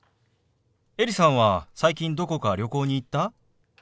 エリさんは最近どこか旅行に行った？